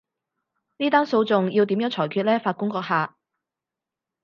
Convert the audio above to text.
呢單訴訟要點樣裁決呢，法官閣下？